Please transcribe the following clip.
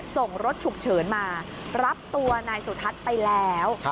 ส่งรถฉุกเฉินมารับตัวนายสุทัศน์ไปแล้ว